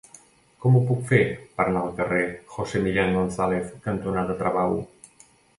Com ho puc fer per anar al carrer José Millán González cantonada Travau?